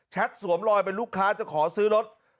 แชทสวมลอยไปลูกค้าจะขอซื้อรถ